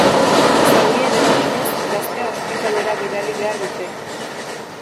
Zaurien eraginez, gaztea ospitalera bidali behar dute.